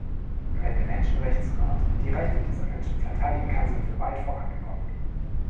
Wenn der Menschenrechtsrat die Rechte dieser Menschen verteidigen kann, sind wir weit vorangekommen.